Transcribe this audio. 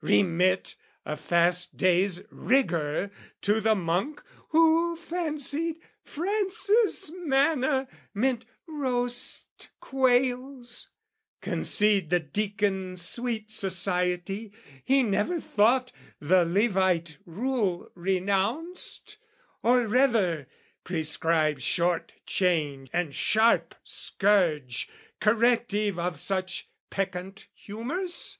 Remit a fast day's rigour to the Monk Who fancied Francis' manna meant roast quails, Concede the Deacon sweet society, He never thought the levite rule renounced, Or rather prescribe short chain and sharp scourge Corrective of such peccant humours?